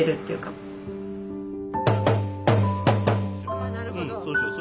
あなるほど。